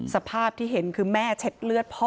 สภาพที่เห็นคือแม่เช็ดเลือดพ่อ